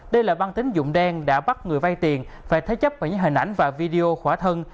đây là băng tính dụng đen đã bắt người bay tiền và thấy chấp bằng những hình ảnh và video khỏa thân